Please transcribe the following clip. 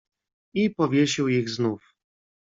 "I powiesił ich znów."